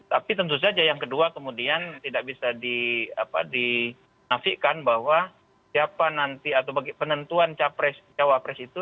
tapi tentu saja yang kedua kemudian tidak bisa dinafikan bahwa penentuan capres cawapres itu